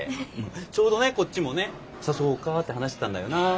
ちょうどねこっちもね誘おうかって話してたんだよな？